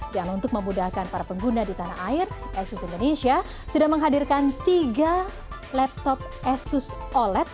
dan untuk memudahkan para pengguna di tanah air asus indonesia sudah menghadirkan tiga laptop asus oled